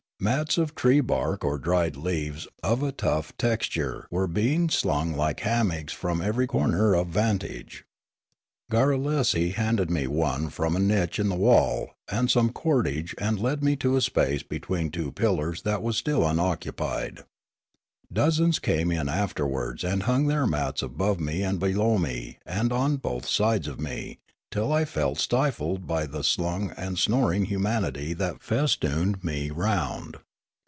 Mats of tree bark or dried leaves of a tough texture were being slung like hammocks from every corner of vantage. Garrulesi handed me one from a niche in the wall and some cordage, and led me to a space between two pil lars that was still unoccupied. Dozens came in after wards and hung their mats above me and below me and on both sides of me till I felt stifled by the slung and snoring humanity that festooned me round.